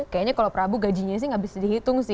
kayaknya kalau prabu gajinya sih nggak bisa dihitung sih